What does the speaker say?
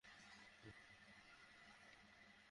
মন্টেজুমা তখন ম্যাক্সিকোর অধীনে ছিল, পেরুর অধীনে নয়!